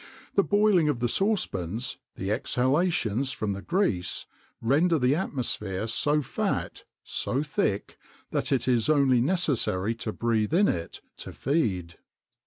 The boiling of the saucepans, the exhalations from the grease, render the atmosphere so fat, so thick, that it is only necessary to breathe in it to feed.